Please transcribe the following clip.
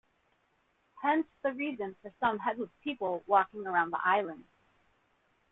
Hence the reason for some headless people walking around the island.